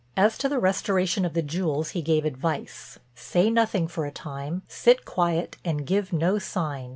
As to the restoration of the jewels he gave advice. Say nothing for a time, sit quiet and give no sign.